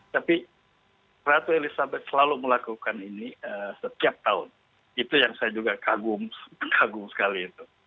tapi ratu elizabeth selalu melakukan ini setiap tahun itu yang saya juga kagum kagum sekali itu